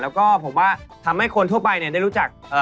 แล้วก็ผมว่าทำให้คนทั่วไปได้รู้จัก